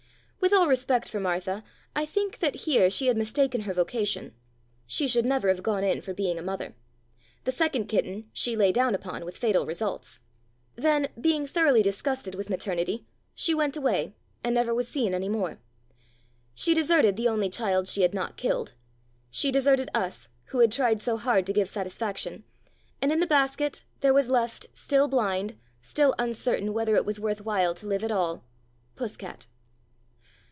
With all respect for Martha, I think that here she had mistaken her vocation. She should never have gone in for being a mother. The second kitten she lay down upon with fatal results. Then, being thor 237 " Puss cat " oughly disgusted with maternity, she went away and never was seen any more. She deserted the only child she had not killed; she deserted us who had tried so hard to give satisfaction ; and in the basket there was left, still blind, still uncertain whether it was worth while to live at allj Puss cat.